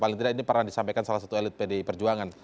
paling tidak ini pernah disampaikan salah satu elit pdi perjuangan